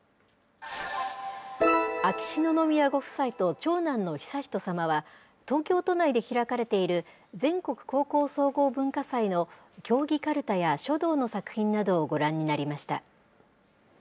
秋篠宮ご夫妻と長男の悠仁さまは、東京都内で開かれている全国高校総合文化祭の競技かるたや書道の作品などをご覧になりました。